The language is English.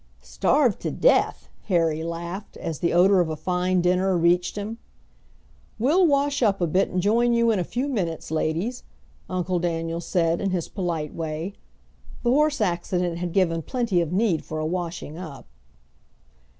"Starved to death!" Harry laughed, as the odor of a fine dinner reached him. "We'll wash up a bit and join you in a few minutes, ladies," Uncle Daniel said, in his polite way. The horse accident had given plenty of need for a washing up.